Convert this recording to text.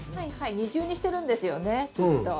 二重にしてるんですよねきっと。